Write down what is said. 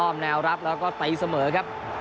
แนวรับแล้วก็ตีเสมอครับ